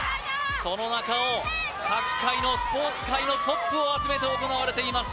その中を各界のスポーツ界のトップを集めて行われています